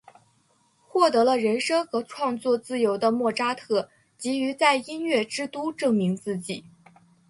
获得了人生和创作自由的莫扎特急于在音乐之都证明自己。